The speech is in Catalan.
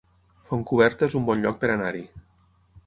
Fontcoberta es un bon lloc per anar-hi